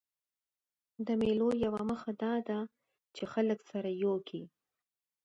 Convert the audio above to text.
د مېلو یوه موخه دا ده، چي خلک سره یو کي.